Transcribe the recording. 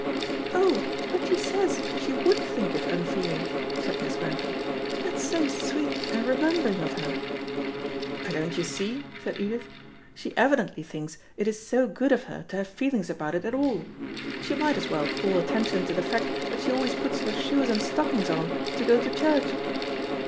"Oh, but she says she would think it unfeeling," said Miss Grantham. "That's so sweet and remembering of her." "But don't you see," said Edith, "she evidently thinks it is so good of her to have feelings about it at all. She might as well call attention to the fact that she always puts her shoes and stockings on to go to church."